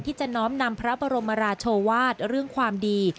จะน้อมนำพระบรมราชวาสเรื่องความดี